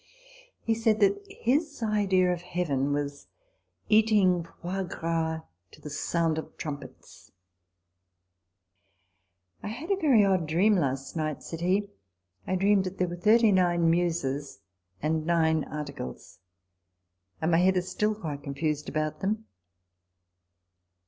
He said that " his idea of heaven was eating foie gras to the sound of trumpets." " I had a very odd dream last night," said he ;" I dreamed that there were thirty nine Muses and nine Articles : and my head is still quite confused about them."